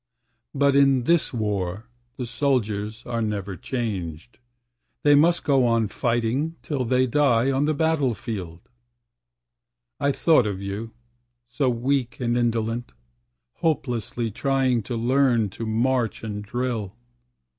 But in this war the soldiers are never changed; They must go on fighting till they die on the battle field. I thought of you, so weak and indolent, Hopelessly trying to learn to march and drill.